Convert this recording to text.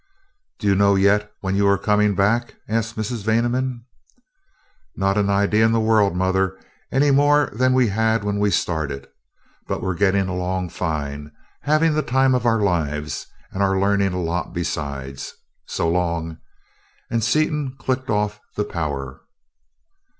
"Do you know yet when you are coming back?" asked Mrs. Vaneman. "Not an idea in the world, mother, any more than we had when we started. But we're getting along fine, having the time of our lives, and are learning a lot besides. So long!" and Seaton clicked off the power.